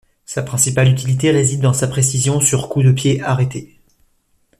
Sa principale utilité réside dans sa précision sur coup de pied arrêté.